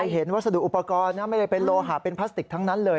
เห็นวัสดุอุปกรณ์นะไม่ได้เป็นโลหะเป็นพลาสติกทั้งนั้นเลย